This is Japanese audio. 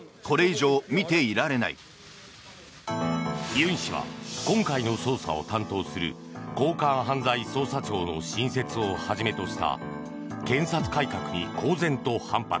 ユン氏は今回の捜査を担当する高官犯罪捜査庁の新設をはじめとした検察改革に公然と反発。